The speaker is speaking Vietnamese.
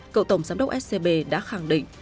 cậu tổng giám đốc scb đã khẳng định